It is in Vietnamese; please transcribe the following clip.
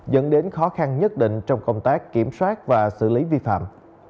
dẫn đến khó khăn nhất định trong công tác kiểm soát và xử lý vi phạm